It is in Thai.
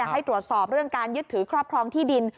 ให้ตรวจสอบเรื่องการยึดถือครอบครองที่ดิน